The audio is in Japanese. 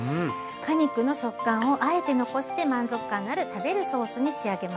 果肉の食感をあえて残して満足感のある食べるソースに仕上げました。